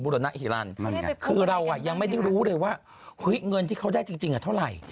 รณฮิลันคือเรายังไม่ได้รู้เลยว่าเงินที่เขาได้จริงเท่าไหร่